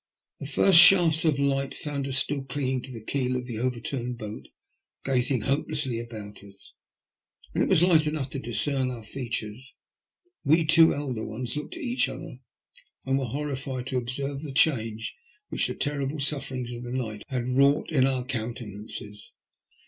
The first shafts of light found us still clinging to the keel of the overturned boat, gazing hopelessly about us. When it was light enough to discern our features, we two elder ones looked at each other, and were horrified to observe the change which the terrible sufferings of the night had wrought in our countenances.